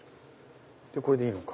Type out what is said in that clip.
これでいいのか。